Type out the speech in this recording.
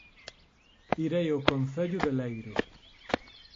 Irei ao Concello de Leiro